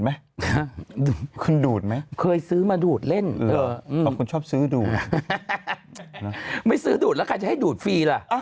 ไม่ซื้อดูดแล้วกันจะให้ดูดฟรีล่ะ